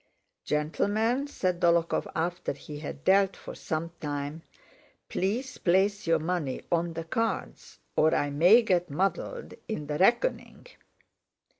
"Gentlemen," said Dólokhov after he had dealt for some time. "Please place your money on the cards or I may get muddled in the reckoning."